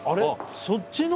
そっちの？